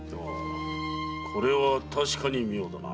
それは確かに妙だな。